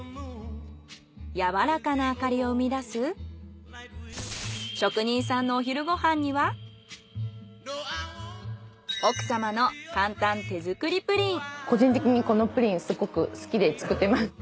やわらかな明かりを生み出す職人さんのお昼ごはんには奥様の個人的にこのプリンすごく好きで作ってます。